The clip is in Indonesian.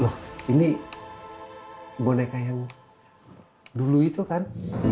loh ini boneka yang dulu itu kan